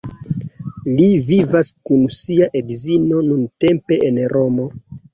Li vivas kun sia edzino nuntempe en Romo.